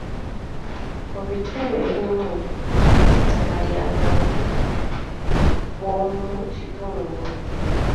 Mu bitundu ebimu, ettaka lya bantu b'omu kitundu.